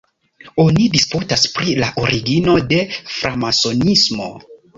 Oni disputas pri la origino de Framasonismo.